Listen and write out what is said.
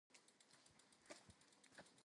It was important in the history of the Cosa Nostra.